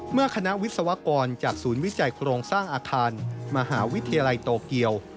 คณะวิศวกรจากศูนย์วิจัยโครงสร้างอาคารมหาวิทยาลัยโตเกียว